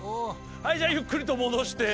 はいじゃあゆっくりともどして。